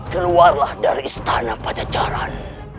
keluarlah dari istana pajacaran